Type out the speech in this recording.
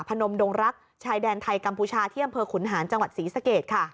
พนมดงรักชายแดนไทยกัมพูชาที่อำเภอขุนหานจังหวัดศรีสะเกดค่ะ